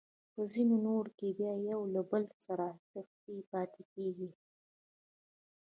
په ځینو نورو کې بیا یو له بل سره نښتې پاتې کیږي.